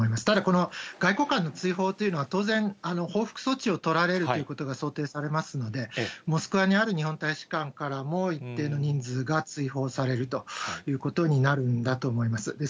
ただ、この外交官の追放というのは当然、報復措置を取られるということが想定されますので、モスクワにある日本大使館からも、一定の人数が追放されるということになるんだと思います。